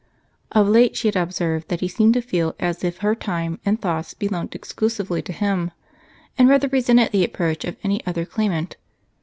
Of late she had observed that he seemed to feel as if her time and thoughts belonged exclusively to him and rather resented the approach of any other claimant.